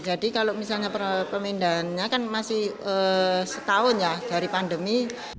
jadi kalau misalnya pemindahannya kan masih setahun ya dari pandemi